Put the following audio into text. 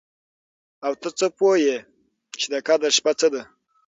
او ته څه پوه يې چې د قدر شپه څه ده؟